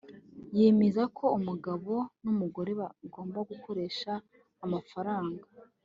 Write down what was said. yemera ko umugabo n'umugore bagomba gukoresha amafaranga